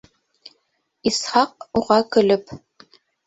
Исхаҡ уға көлөп: